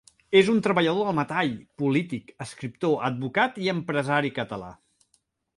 És un treballador del metall, polític, escriptor, advocat i empresari català.